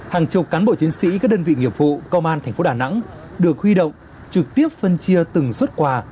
hàng chục cán bộ chiến sĩ các đơn vị nghiệp vụ công an thành phố đà nẵng được huy động trực tiếp phân chia từng xuất quà